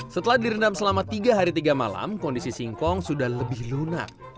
setelah direndam selama tiga hari tiga malam kondisi singkong sudah lebih lunak